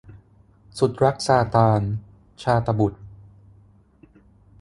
สุดรักซาตาน - ชาตบุษย์